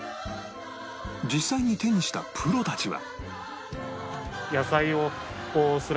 実際に手にしたプロたちは